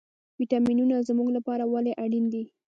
ویټامینونه زموږ لپاره ولې اړین دي